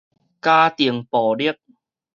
家庭暴力